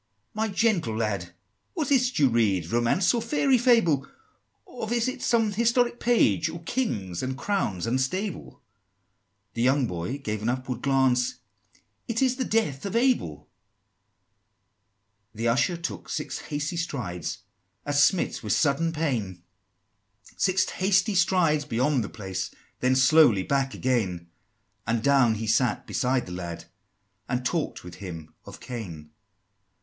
VIII. "My gentle lad, what is't you read Romance or fairy fable? Of is it some historic page, Or kings and crowns unstable?" The young boy gave an upward glance, "It is 'The Death of Abel.'" IX. The Usher took six hasty strides, As smit with sudden pain, Six hasty strides beyond the place, Then slowly back again; And down he sat beside the lad, And talk'd with him of Cain; X.